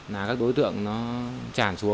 là các đối tượng nó